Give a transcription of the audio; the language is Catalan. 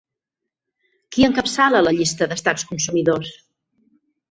Qui encapçala la llista d'estats consumidors?